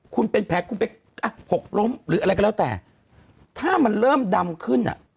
คุณเป็นแผลคุณไปอ่ะหกล้มหรืออะไรก็แล้วแต่ถ้ามันเริ่มดำขึ้นอ่ะ